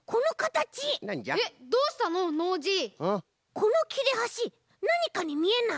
このきれはしなにかにみえない？